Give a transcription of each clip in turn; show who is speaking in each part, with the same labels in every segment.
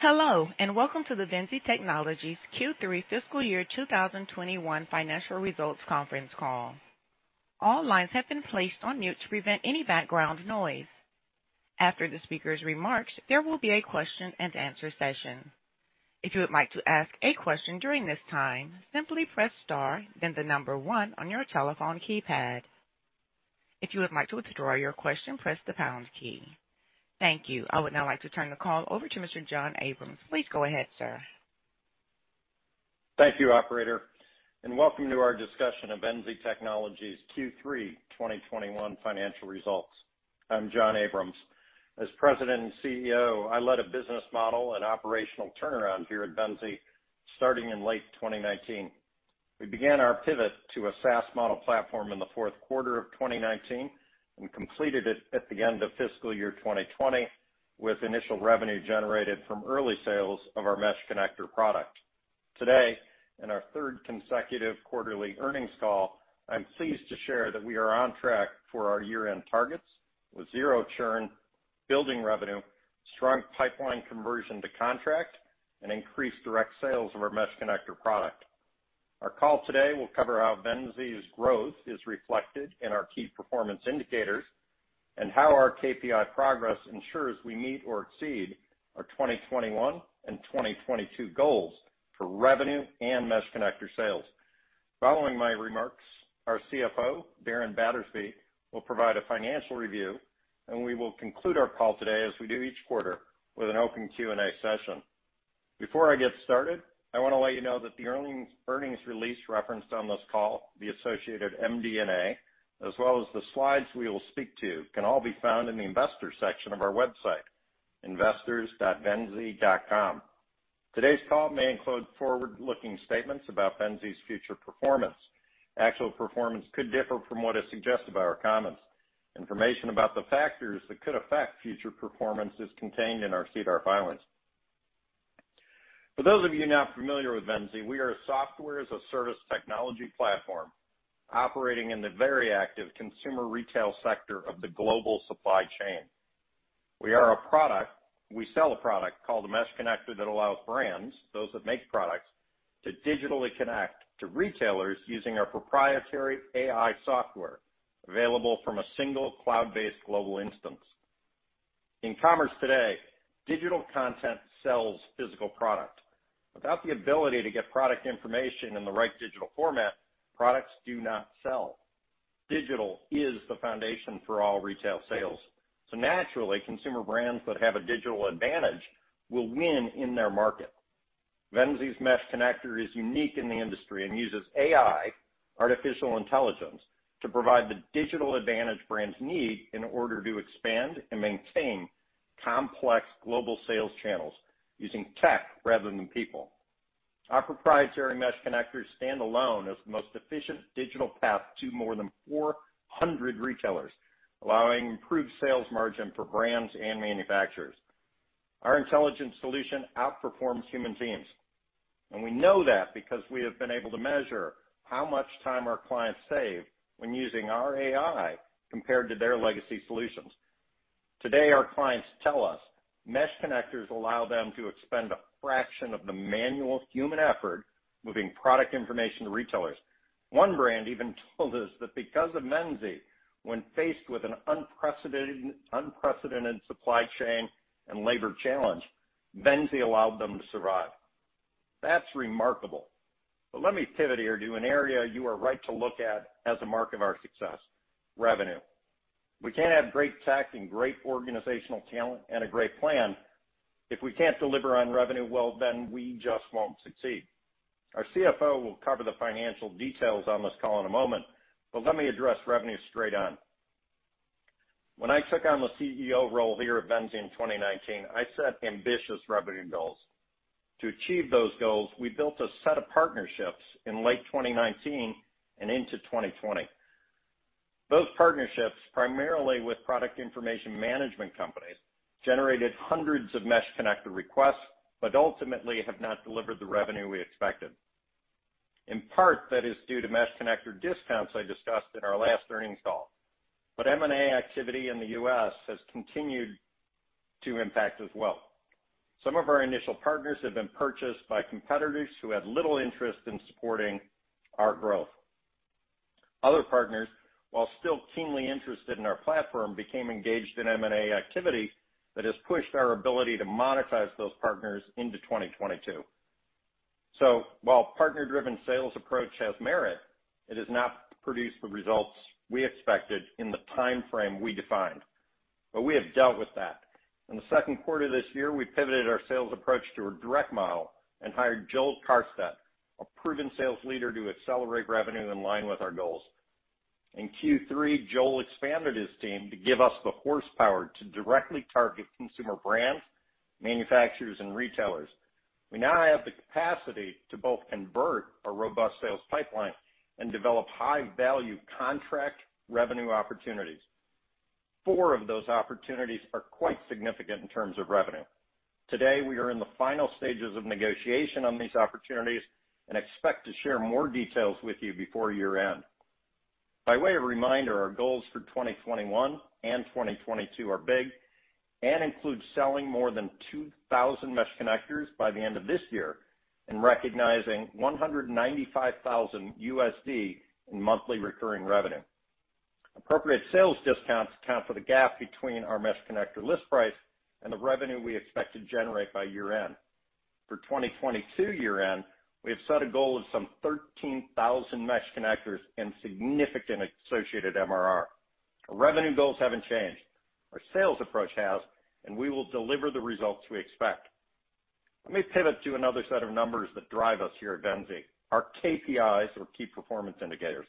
Speaker 1: Hello, and welcome to the Venzee Technologies Q3 Fiscal Year 2021 Financial Results Conference Call. All lines have been placed on mute to prevent any background noise. After the speaker's remarks, there will be a question-and-answer session. If you would like to ask a question during this time, simply press star then the number one on your telephone keypad. If you would like to withdraw your question, press the pound key. Thank you. I would now like to turn the call over to Mr. John Abrams. Please go ahead, sir.
Speaker 2: Thank you, operator, and welcome to our discussion of Venzee Technologies Q3 2021 Financial Results. I'm John Abrams. As president and CEO, I led a business model and operational turnaround here at Venzee starting in late 2019. We began our pivot to a SaaS model platform in the fourth quarter of 2019 and completed it at the end of fiscal year 2020, with initial revenue generated from early sales of our Mesh Connector product. Today, in our third consecutive quarterly earnings call, I'm pleased to share that we are on track for our year-end targets with zero churn, building revenue, strong pipeline conversion to contract, and increased direct sales of our Mesh Connector product. Our call today will cover how Venzee's growth is reflected in our key performance indicators and how our KPI progress ensures we meet or exceed our 2021 and 2022 goals for revenue and Mesh Connector sales. Following my remarks, our CFO, Darren Battersby, will provide a financial review, and we will conclude our call today as we do each quarter with an open Q&A session. Before I get started, I wanna let you know that the earnings release referenced on this call, the associated MD&A, as well as the slides we will speak to, can all be found in the investors section of our website, investors.venzee.com. Today's call may include forward-looking statements about Venzee's future performance. Actual performance could differ from what is suggested by our comments. Information about the factors that could affect future performance is contained in our SEDAR filings. For those of you not familiar with Venzee, we are a software-as-a-service technology platform operating in the very active consumer retail sector of the global supply chain. We sell a product called a Mesh Connector that allows brands, those that make products, to digitally connect to retailers using our proprietary AI software available from a single cloud-based global instance. In commerce today, digital content sells physical product. Without the ability to get product information in the right digital format, products do not sell. Digital is the foundation for all retail sales. Naturally, consumer brands that have a digital advantage will win in their market. Venzee's Mesh Connector is unique in the industry and uses AI, artificial intelligence, to provide the digital advantage brands need in order to expand and maintain complex global sales channels using tech rather than people. Our proprietary Mesh Connector stand alone as the most efficient digital path to more than 400 retailers, allowing improved sales margin for brands and manufacturers. Our intelligent solution outperforms human teams, and we know that because we have been able to measure how much time our clients save when using our AI compared to their legacy solutions. Today, our clients tell us Mesh Connectors allow them to expend a fraction of the manual human effort moving product information to retailers. One brand even told us that because of Venzee, when faced with an unprecedented supply chain and labor challenge, Venzee allowed them to survive. That's remarkable. Let me pivot here to an area you are right to look at as a mark of our success, revenue. We can't have great tech and great organizational talent and a great plan. If we can't deliver on revenue, well, then we just won't succeed. Our CFO will cover the financial details on this call in a moment, but let me address revenue straight on. When I took on the CEO role here at Venzee in 2019, I set ambitious revenue goals. To achieve those goals, we built a set of partnerships in late 2019 and into 2020. Those partnerships, primarily with product information management companies, generated hundreds of Mesh Connector requests, but ultimately have not delivered the revenue we expected. In part, that is due to Mesh Connector discounts I discussed in our last earnings call. M&A activity in the U.S. has continued to impact as well. Some of our initial partners have been purchased by competitors who had little interest in supporting our growth. Other partners, while still keenly interested in our platform, became engaged in M&A activity that has pushed our ability to monetize those partners into 2022. While partner-driven sales approach has merit, it has not produced the results we expected in the timeframe we defined. We have dealt with that. In the second quarter this year, we pivoted our sales approach to a direct model and hired Joel Karstadt, a proven sales leader, to accelerate revenue in line with our goals. In Q3, Joel expanded his team to give us the horsepower to directly target consumer brands, manufacturers, and retailers. We now have the capacity to both convert a robust sales pipeline and develop high-value contract revenue opportunities. Four of those opportunities are quite significant in terms of revenue. Today, we are in the final stages of negotiation on these opportunities and expect to share more details with you before year-end. By way of reminder, our goals for 2021 and 2022 are big and include selling more than 2,000 Mesh Connectors by the end of this year and recognizing $195,000 in monthly recurring revenue. Appropriate sales discounts account for the gap between our Mesh Connector list price and the revenue we expect to generate by year-end. For 2022 year-end, we have set a goal of some 13,000 Mesh Connectors and significant associated MRR. Our revenue goals haven't changed. Our sales approach has, and we will deliver the results we expect. Let me pivot to another set of numbers that drive us here at Venzee, our KPIs or key performance indicators.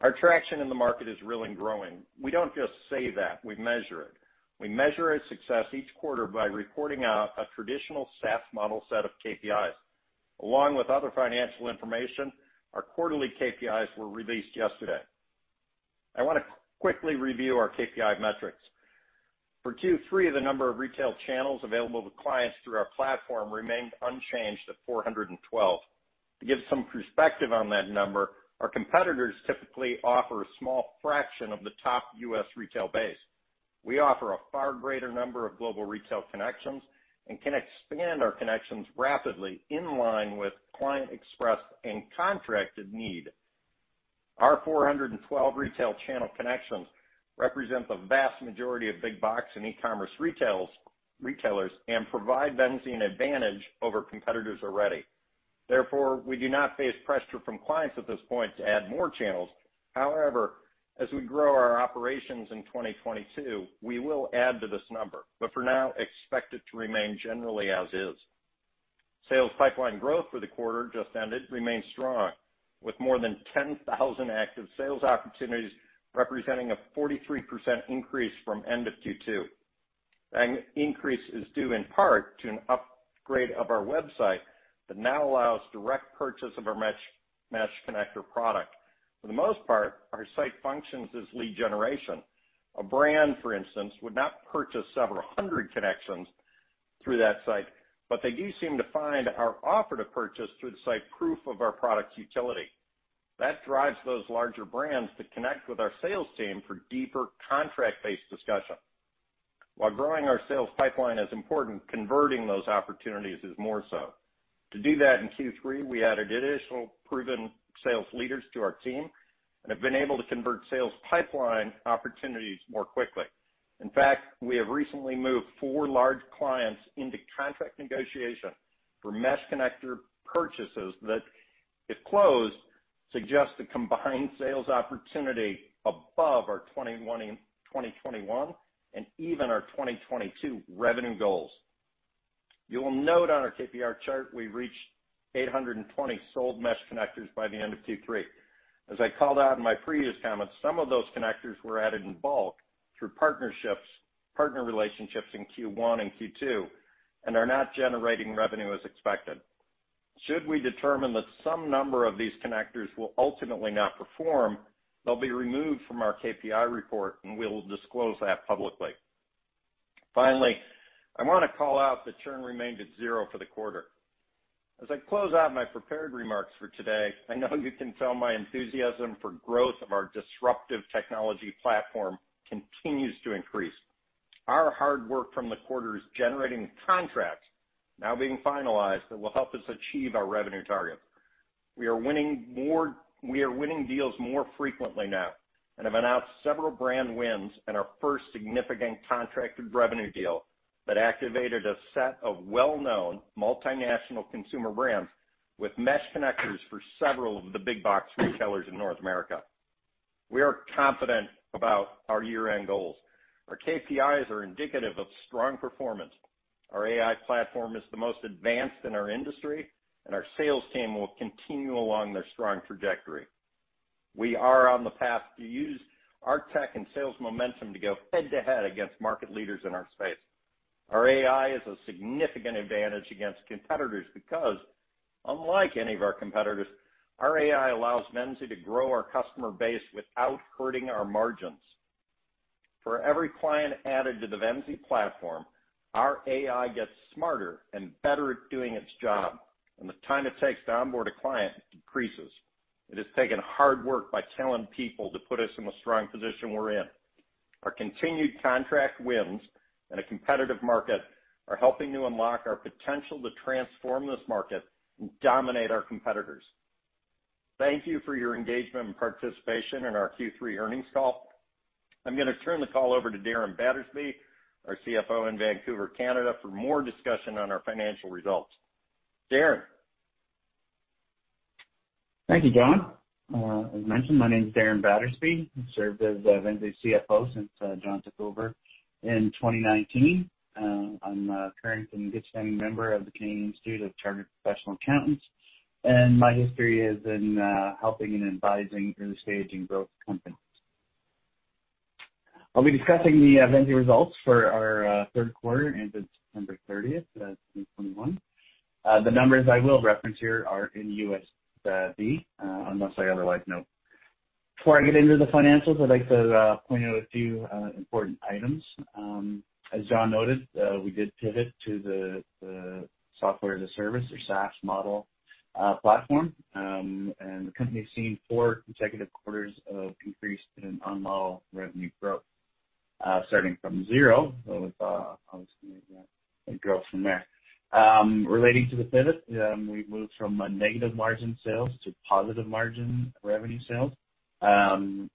Speaker 2: Our traction in the market is real and growing. We don't just say that, we measure it. We measure our success each quarter by reporting out a traditional SaaS model set of KPIs. Along with other financial information, our quarterly KPIs were released yesterday. I wanna quickly review our KPI metrics. For Q3, the number of retail channels available to clients through our platform remained unchanged at 412. To give some perspective on that number, our competitors typically offer a small fraction of the top U.S. retail base. We offer a far greater number of global retail connections and can expand our connections rapidly in line with client expressed and contracted need. Our 412 retail channel connections represent the vast majority of big box and e-commerce retailers and provide Venzee an advantage over competitors already. Therefore, we do not face pressure from clients at this point to add more channels. However, as we grow our operations in 2022, we will add to this number. For now, expect it to remain generally as is. Sales pipeline growth for the quarter just ended remains strong, with more than 10,000 active sales opportunities, representing a 43% increase from end of Q2. That increase is due in part to an upgrade of our website that now allows direct purchase of our Mesh Connector product. For the most part, our site functions as lead generation. A brand, for instance, would not purchase several hundred connections through that site, but they do seem to find our offer to purchase through the site proof of our product's utility. That drives those larger brands to connect with our sales team for deeper contract-based discussion. While growing our sales pipeline is important, converting those opportunities is more so. To do that in Q3, we added additional proven sales leaders to our team and have been able to convert sales pipeline opportunities more quickly. In fact, we have recently moved four large clients into contract negotiation for Mesh Connector purchases that, if closed, suggest a combined sales opportunity above our 2021 and even our 2022 revenue goals. You will note on our KPI chart, we reached 820 sold Mesh Connectors by the end of Q3. As I called out in my previous comments, some of those connectors were added in bulk through partnerships, partner relationships in Q1 and Q2 and are not generating revenue as expected. Should we determine that some number of these connectors will ultimately not perform, they'll be removed from our KPI report, and we will disclose that publicly. Finally, I wanna call out that churn remained at zero for the quarter. As I close out my prepared remarks for today, I know you can tell my enthusiasm for growth of our disruptive technology platform continues to increase. Our hard work from the quarter is generating contracts now being finalized that will help us achieve our revenue targets. We are winning deals more frequently now and have announced several brand wins and our first significant contracted revenue deal that activated a set of well-known multinational consumer brands with Mesh Connectors for several of the big box retailers in North America. We are confident about our year-end goals. Our KPIs are indicative of strong performance. Our AI platform is the most advanced in our industry, and our sales team will continue along their strong trajectory. We are on the path to use our tech and sales momentum to go head-to-head against market leaders in our space. Our AI is a significant advantage against competitors because, unlike any of our competitors, our AI allows Venzee to grow our customer base without hurting our margins. For every client added to the Venzee platform, our AI gets smarter and better at doing its job, and the time it takes to onboard a client decreases. It has taken hard work by talented people to put us in the strong position we're in. Our continued contract wins in a competitive market are helping to unlock our potential to transform this market and dominate our competitors. Thank you for your engagement and participation in our Q3 earnings call. I'm gonna turn the call over to Darren Battersby, our CFO in Vancouver, Canada, for more discussion on our financial results. Darren?
Speaker 3: Thank you, John. As mentioned, my name's Darren Battersby, served as Venzee's CFO since John took over in 2019. I'm a current and good standing member of the Chartered Professional Accountants of Canada, and my history is in helping and advising early-stage and growth companies. I'll be discussing the Venzee results for our third quarter ended September 30, 2021. The numbers I will reference here are in USD unless I otherwise note. Before I get into the financials, I'd like to point out a few important items. As John noted, we did pivot to the Software as a Service or SaaS model platform. The company's seen four consecutive quarters of increased and unmatched revenue growth. Starting from zero, so it's obviously gonna grow from there. Relating to the pivot, we've moved from a negative margin sales to positive margin revenue sales. Again,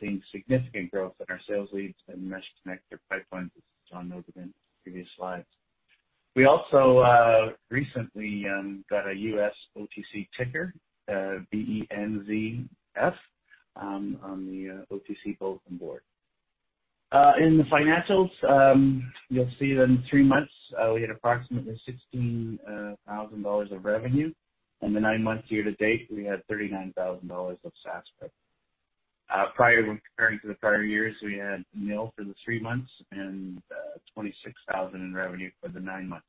Speaker 3: seeing significant growth in our sales leads and Mesh Connector pipeline, as John noted in previous slides. We also recently got a U.S. OTC ticker, VENZ.F, on the OTC Bulletin Board. In the financials, you'll see that in three months, we had approximately $16,000 of revenue. In the nine months year-to-date, we had $39,000 of SaaS revenue. Prior when comparing to the prior years, we had $0 for the three months and $26,000 in revenue for the nine months.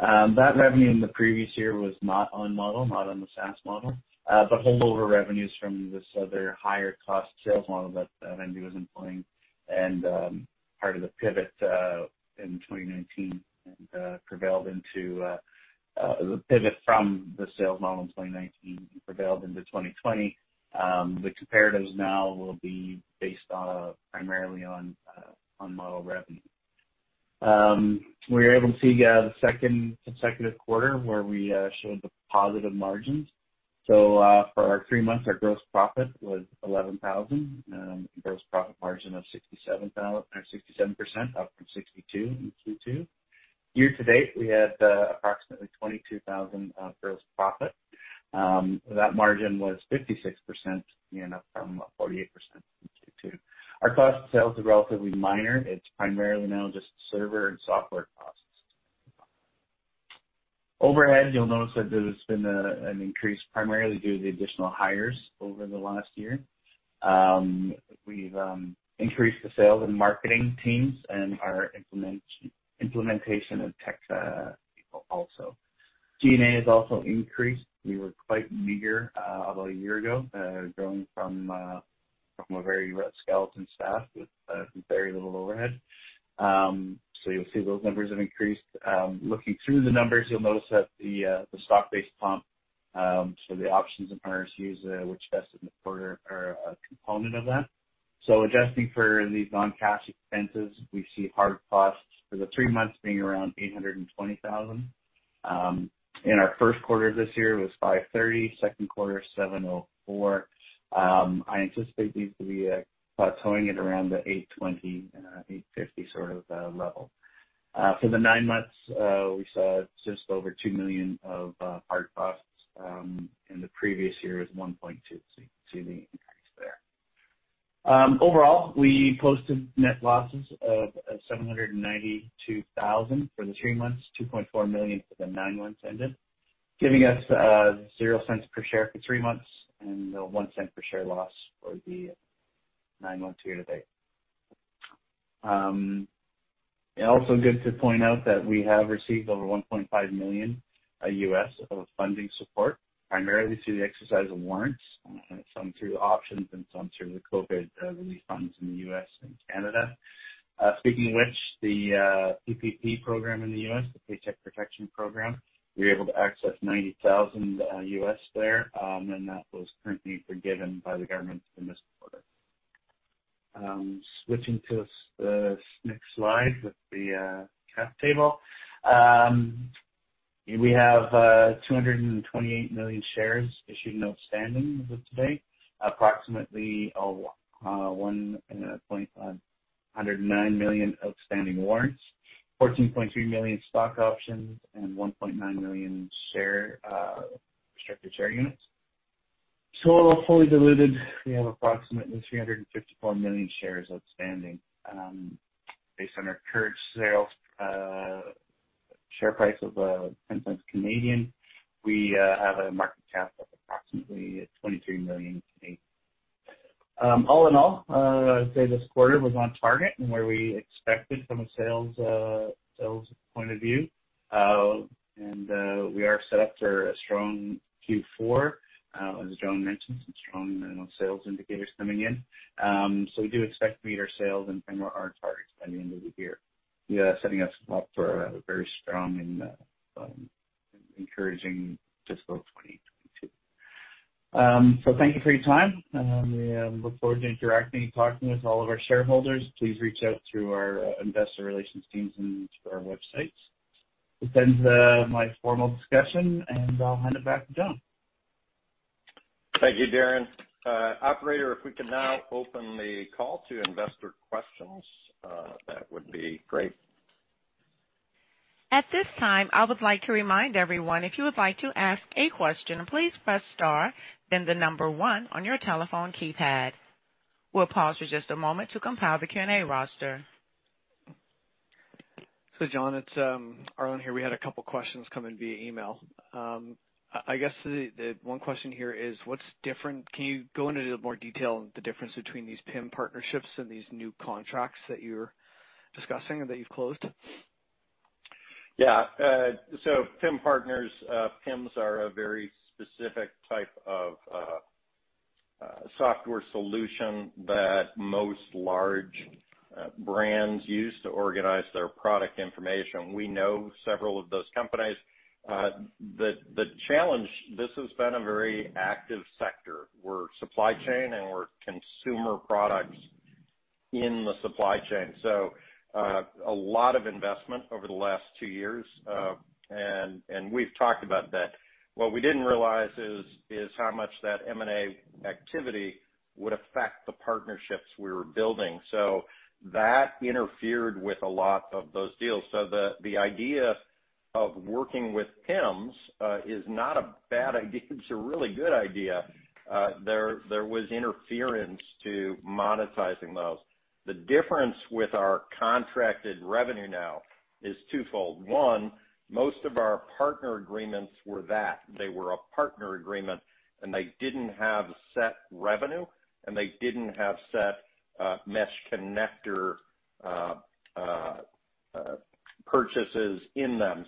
Speaker 3: That revenue in the previous year was not on model, not on the SaaS model, but holdover revenues from this other higher cost sales model that Venzee was employing. Part of the pivot in 2019 prevailed into the pivot from the sales model in 2019 prevailed into 2020. The comparatives now will be based primarily on model revenue. We were able to see the second consecutive quarter where we showed positive margins. For our three months, our gross profit was 11,000, gross profit margin of 67%, up from 62% in Q2. Year to date, we had approximately 22,000 gross profit. That margin was 56%, again, up from 48% in Q2. Our cost of sales are relatively minor. It's primarily now just server and software costs. Overhead, you'll notice that there's been an increase, primarily due to the additional hires over the last year. We've increased the sales and marketing teams and our implementation and tech people also. G&A has also increased. We were quite meager about a year ago, growing from a very skeleton staff with very little overhead. You'll see those numbers have increased. Looking through the numbers, you'll notice that the stock-based comp, so the options and RSUs, which vested in the quarter are a component of that. Adjusting for these non-cash expenses, we see hard costs for the three months being around $820,000. In our first quarter this year, it was $530,000, second quarter, $704,000. I anticipate these to be plateauing at around the $820-$850 sort of level. For the nine months, we saw just over $2 million of hard costs. In the previous year is $1.2 million, so you can see the increase there. Overall, we posted net losses of $792,000 for the three months, $2.4 million for the nine months ended, giving us $0.00 per share for three months and $0.01 per share loss for the nine months year to date. And also good to point out that we have received over $1.5 million U.S of funding support, primarily through the exercise of warrants, some through options and some through the COVID relief funds in the U.S. and Canada. Speaking of which, the PPP program in the U.S., the Paycheck Protection Program, we were able to access $90,000 USD, and that was completely forgiven by the government in this quarter. Switching to the next slide with the cap table. We have 228 million shares issued and outstanding as of today, approximately 109 million outstanding warrants, 14.3 million stock options, and 1.9 million restricted share units. Total fully diluted, we have approximately 354 million shares outstanding. Based on our current share price of 0.10, we have a market cap of approximately 23 million today. All in all, I'd say this quarter was on target and where we expected from a sales point of view. We are set up for a strong Q4, as John mentioned, some strong minimum sales indicators coming in. We do expect to meet our sales and spend our targets by the end of the year, setting us up for a very strong and encouraging fiscal 2022. Thank you for your time. We look forward to interacting and talking with all of our shareholders. Please reach out through our investor relations teams and through our websites. This ends my formal discussion, and I'll hand it back to John.
Speaker 2: Thank you, Darren. Operator, if we could now open the call to investor questions, that would be great.
Speaker 1: At this time, I would like to remind everyone, if you would like to ask a question, please press star then the number one on your telephone keypad. We'll pause for just a moment to compile the Q&A roster.
Speaker 4: John, it's Arlen here. We had a couple questions come in via email. I guess the one question here is what's different. Can you go into a little more detail on the difference between these PIM partnerships and these new contracts that you're discussing and that you've closed?
Speaker 2: Yeah. PIM partners, PIMs are a very specific type of software solution that most large brands use to organize their product information. We know several of those companies. The challenge, this has been a very active sector. We're supply chain and we're consumer products in the supply chain. A lot of investment over the last two years, and we've talked about that. What we didn't realize is how much that M&A activity would affect the partnerships we were building. That interfered with a lot of those deals. The idea of working with PIMs is not a bad idea, it's a really good idea. There was interference to monetizing those. The difference with our contracted revenue now is twofold. One, most of our partner agreements were that. They were a partner agreement, and they didn't have set revenue, and they didn't have set Mesh Connector purchases in them.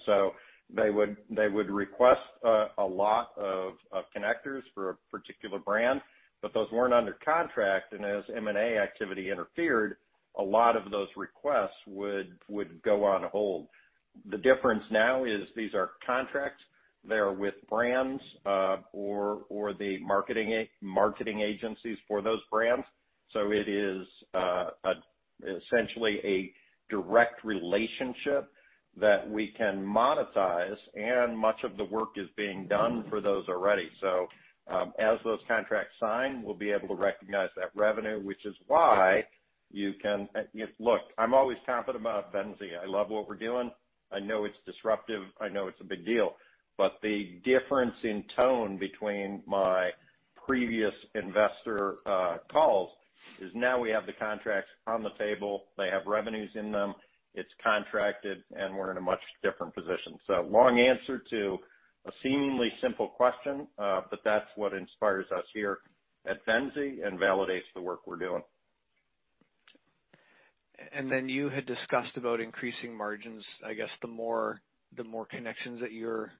Speaker 2: They would request a lot of connectors for a particular brand, but those weren't under contract. As M&A activity interfered, a lot of those requests would go on hold. The difference now is these are contracts. They're with brands or the marketing agencies for those brands. It is essentially a direct relationship that we can monetize, and much of the work is being done for those already. As those contracts sign, we'll be able to recognize that revenue, which is why you can look. I'm always confident about Venzee. I love what we're doing. I know it's disruptive. I know it's a big deal. The difference in tone between my previous investor calls is now we have the contracts on the table. They have revenues in them, it's contracted, and we're in a much different position. Long answer to a seemingly simple question, but that's what inspires us here at Venzee and validates the work we're doing.
Speaker 4: You had discussed about increasing margins. I guess the more connections that you're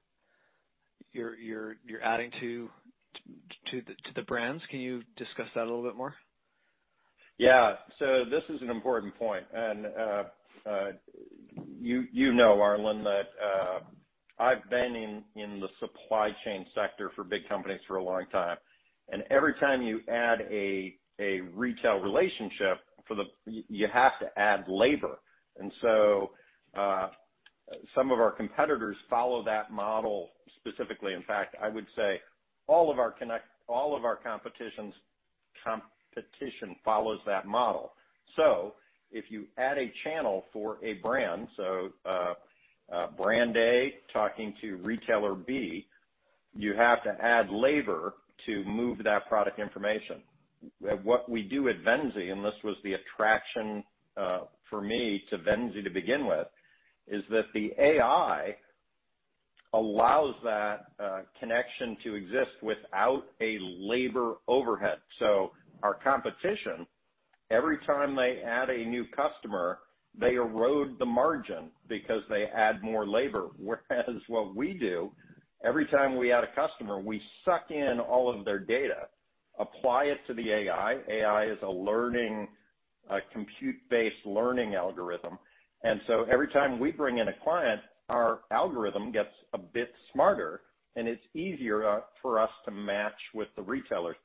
Speaker 4: adding to the brands. Can you discuss that a little bit more?
Speaker 2: Yeah. This is an important point, and you know, Arlen, that I've been in the supply chain sector for big companies for a long time, and every time you add a retail relationship you have to add labor. Some of our competitors follow that model specifically. In fact, I would say all of our competition follows that model. If you add a channel for a brand A talking to retailer B, you have to add labor to move that product information. What we do at Venzee, and this was the attraction for me to Venzee to begin with, is that the AI allows that connection to exist without a labor overhead. Our competition, every time they add a new customer, they erode the margin because they add more labor. Whereas what we do, every time we add a customer, we suck in all of their data, apply it to the AI. AI is a learning, a compute-based learning algorithm. Every time we bring in a client, our algorithm gets a bit smarter, and it's easier for us to match with the retailers.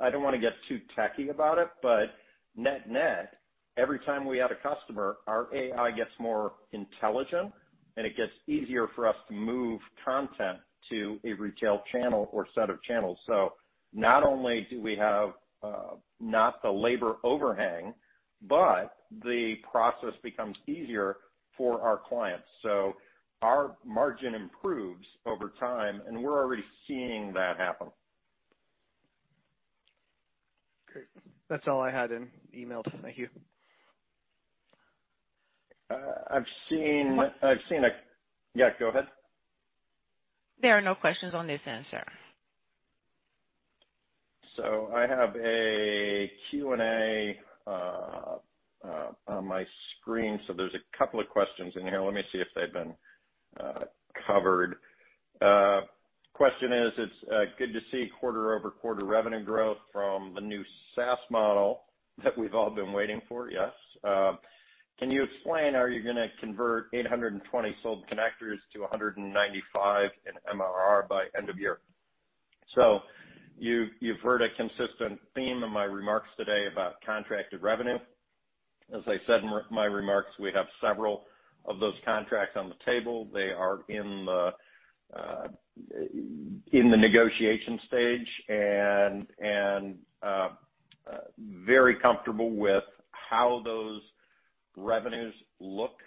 Speaker 2: I don't wanna get too techy about it, but net-net, every time we add a customer, our AI gets more intelligent, and it gets easier for us to move content to a retail channel or set of channels. Not only do we have not the labor overhang, but the process becomes easier for our clients. Our margin improves over time, and we're already seeing that happen.
Speaker 4: Great. That's all I had in email. Thank you.
Speaker 2: I've seen. Yeah, go ahead.
Speaker 1: There are no questions on this end, sir.
Speaker 2: I have a Q&A on my screen. There's a couple of questions in here. Let me see if they've been covered. Question is, it's good to see quarter-over-quarter revenue growth from the new SaaS model that we've all been waiting for. Yes. Can you explain, are you gonna convert 820 sold connectors to 195 in MRR by end of year? You've heard a consistent theme in my remarks today about contracted revenue. As I said in my remarks, we have several of those contracts on the table. They are in the negotiation stage and very comfortable with how those revenues look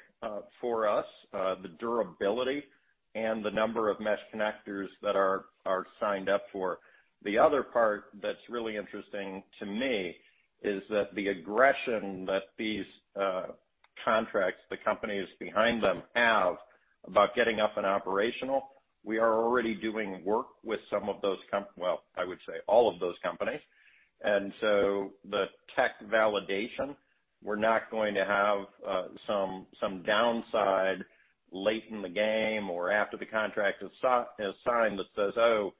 Speaker 2: for us, the durability and the number of Mesh Connectors that are signed up for. The other part that's really interesting to me is that the aggression that these contracts, the companies behind them have about getting up and operational, we are already doing work with some of those companies. Well, I would say all of those companies. The tech validation, we're not going to have some downside late in the game or after the contract is signed that says, "Oh,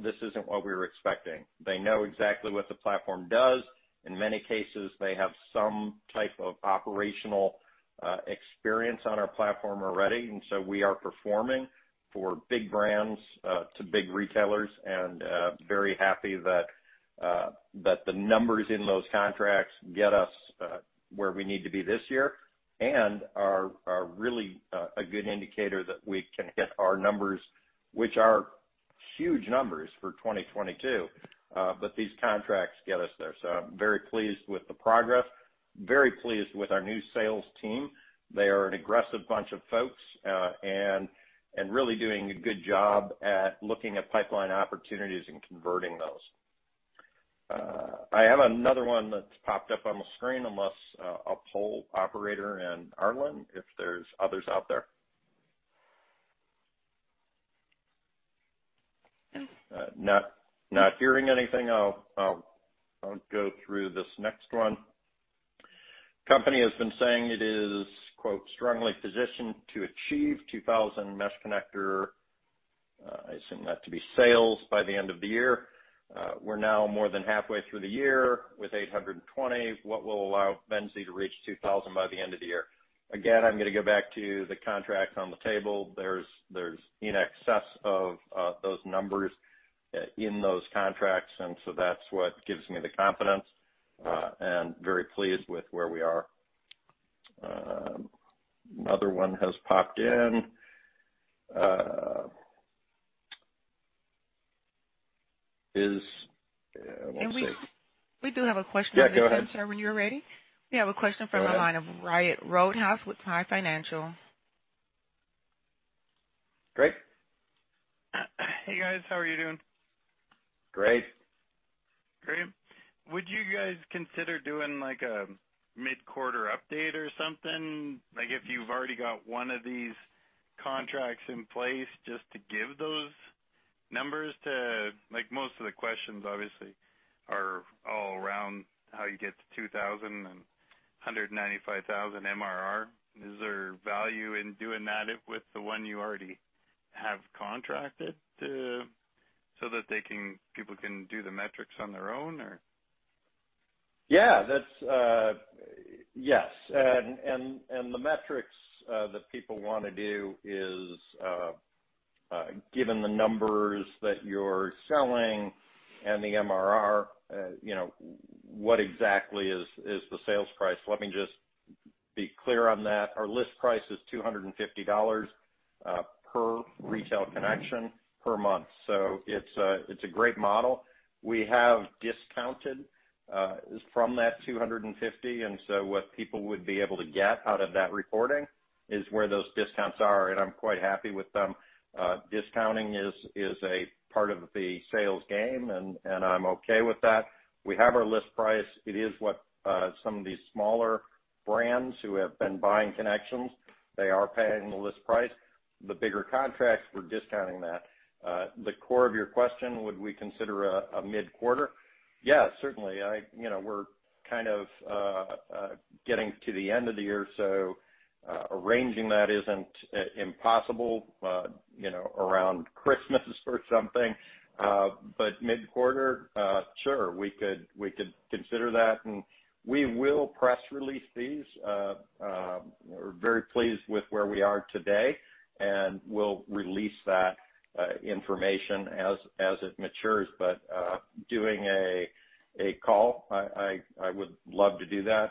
Speaker 2: this isn't what we were expecting." They know exactly what the platform does. In many cases, they have some type of operational experience on our platform already. We are performing for big brands to big retailers and very happy that the numbers in those contracts get us where we need to be this year and are really a good indicator that we can hit our numbers, which are huge numbers for 2022, but these contracts get us there. I'm very pleased with the progress, very pleased with our new sales team. They are an aggressive bunch of folks and really doing a good job at looking at pipeline opportunities and converting those. I have another one that's popped up on the screen, unless I'll poll operator and Arlen if there's others out there. Not hearing anything, I'll go through this next one. company has been saying it is, quote, "Strongly positioned to achieve 2000 Mesh Connector," I assume that to be sales by the end of the year. We're now more than halfway through the year with 820. What will allow Venzee to reach 2000 by the end of the year? Again, I'm gonna go back to the contracts on the table. There's in excess of those numbers in those contracts, and so that's what gives me the confidence, and very pleased with where we are. Another one has popped in.
Speaker 1: We do have a question.
Speaker 2: Yeah, go ahead.
Speaker 1: Sir, when you're ready. We have a question from the line of Ryan Gunther with PI Financial.
Speaker 2: Great.
Speaker 5: Hey, guys. How are you doing?
Speaker 2: Great.
Speaker 5: Great. Would you guys consider doing like a mid-quarter update or something? Like, if you've already got one of these contracts in place just to give those numbers to. Like, most of the questions obviously are all around how you get to $295,000 MRR. Is there value in doing that with the one you already have contracted to so that people can do the metrics on their own or?
Speaker 2: Yeah. That's. Yes. The metrics that people wanna do is given the numbers that you're selling and the MRR, you know, what exactly is the sales price. Let me just be clear on that. Our list price is $250 per retail connection per month. It's a great model. We have discounted from that $250, and what people would be able to get out of that reporting is where those discounts are, and I'm quite happy with them. Discounting is a part of the sales game, and I'm okay with that. We have our list price. It is what some of these smaller brands who have been buying connections, they are paying the list price. The bigger contracts, we're discounting that. The core of your question, would we consider a mid-quarter? Yeah, certainly. You know, we're kind of getting to the end of the year, so arranging that isn't impossible, you know, around Christmas or something. Mid-quarter, sure. We could consider that, and we will press release these. We're very pleased with where we are today, and we'll release that information as it matures. Doing a call, I would love to do that.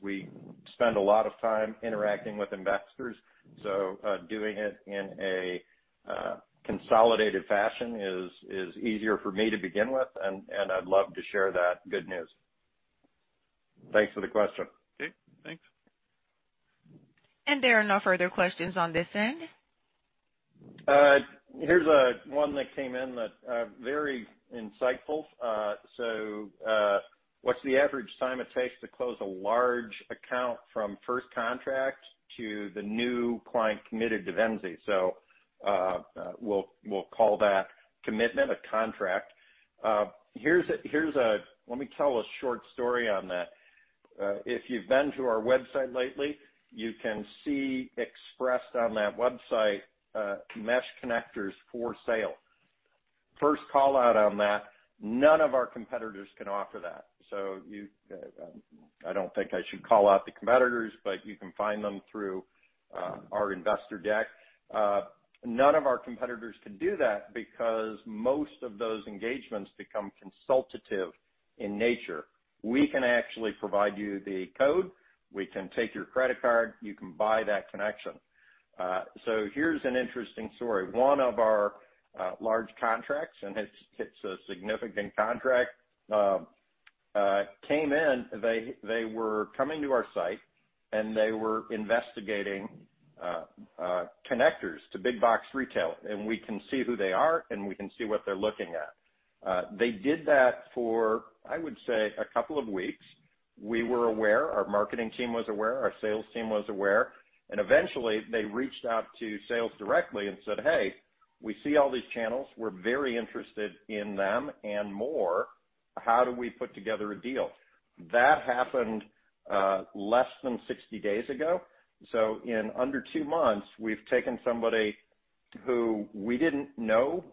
Speaker 2: We spend a lot of time interacting with investors, so doing it in a consolidated fashion is easier for me to begin with and I'd love to share that good news. Thanks for the question.
Speaker 5: Okay. Thanks.
Speaker 1: There are no further questions on this end.
Speaker 2: Here's one that came in that's very insightful. What's the average time it takes to close a large account from first contract to the new client committed to Venzee? We'll call that commitment a contract. Let me tell a short story on that. If you've been to our website lately, you can see expressed on that website, Mesh Connectors for sale. First call out on that, none of our competitors can offer that. I don't think I should call out the competitors, but you can find them through our investor deck. None of our competitors can do that because most of those engagements become consultative in nature. We can actually provide you the code. We can take your credit card. You can buy that connection. Here's an interesting story. One of our large contracts, and it's a significant contract, came in. They were coming to our site, and they were investigating connectors to big box retail, and we can see who they are, and we can see what they're looking at. They did that for, I would say, a couple of weeks. We were aware. Our marketing team was aware. Our sales team was aware. Eventually, they reached out to sales directly and said, "Hey, we see all these channels. We're very interested in them and more. How do we put together a deal?" That happened less than 60 days ago. In under two months, we've taken somebody who we didn't know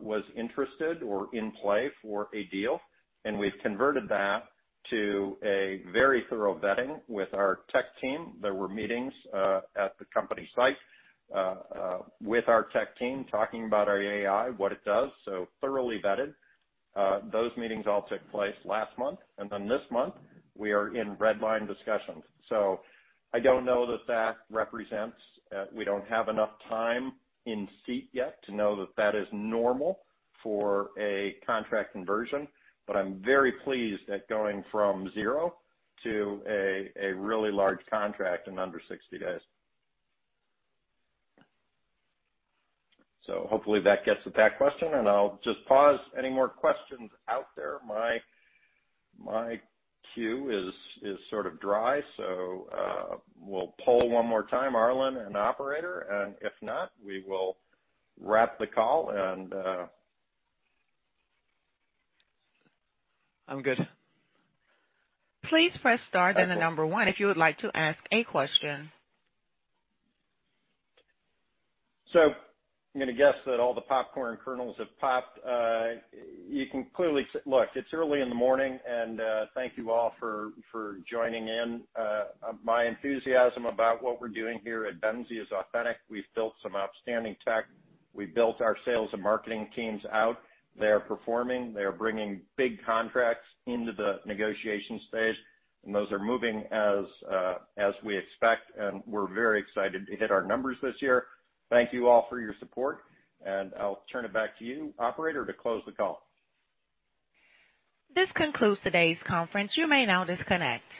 Speaker 2: was interested or in play for a deal, and we've converted that to a very thorough vetting with our tech team. There were meetings at the company site with our tech team talking about our AI, what it does, so thoroughly vetted. Those meetings all took place last month. Then this month, we are in redline discussions. I don't know that that represents, we don't have enough time in seat yet to know that that is normal for a contract conversion. But I'm very pleased at going from zero to a really large contract in under 60 days. Hopefully that gets to that question, and I'll just pause. Any more questions out there? My queue is sort of dry, so we'll poll one more time, Arlen and operator. If not, we will wrap the call and...
Speaker 4: I'm good.
Speaker 1: Please press star then the number one if you would like to ask a question.
Speaker 2: I'm gonna guess that all the popcorn kernels have popped. Look, it's early in the morning, and thank you all for joining in. My enthusiasm about what we're doing here at Venzee is authentic. We've built some outstanding tech. We built our sales and marketing teams out. They are performing. They are bringing big contracts into the negotiation stage, and those are moving as we expect, and we're very excited to hit our numbers this year. Thank you all for your support, and I'll turn it back to you, operator, to close the call.
Speaker 1: This concludes today's conference. You may now disconnect.